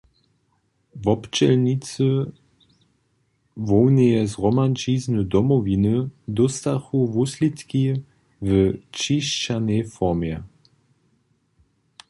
Wobdźělnicy hłowneje zhromadźizny Domowiny dóstachu wuslědki w ćišćanej formje.